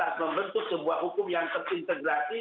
harus membentuk sebuah hukum yang terintegrasi